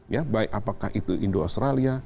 ya baik apakah itu indo australia